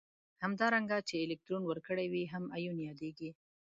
همدارنګه چې الکترون ورکړی وي هم ایون یادیږي.